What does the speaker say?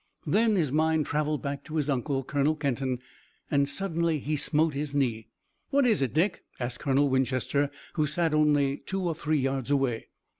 Then his mind traveled back to his uncle, Colonel Kenton, and suddenly he smote his knee. "What is it, Dick," asked Colonel Winchester, who sat only two or three yards away.